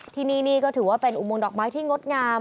ที่นี่นี่ก็ถือว่าเป็นอุโมงดอกไม้ที่งดงาม